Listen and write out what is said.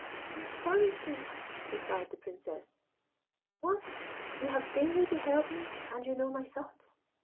"You astonish me!" replied the Princess. "What! You have daily beheld me, and you know my thoughts?